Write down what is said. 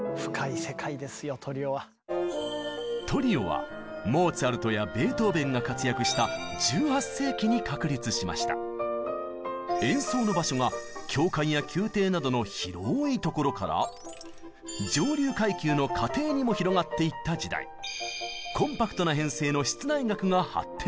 トリオはモーツァルトやベートーベンが活躍した演奏の場所が教会や宮廷などの広い所から上流階級の家庭にも広がっていった時代コンパクトな編成の「室内楽」が発展したんです。